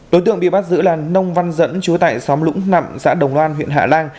đối tượng bị bắt giữ là nông văn dẫn chú tại xóm lũng nặng xã đồng loan huyện hạ lan